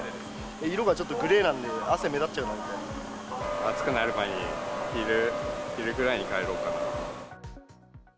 色がちょっとグレーなんで、暑くなる前に、昼くらいに帰ろうかな。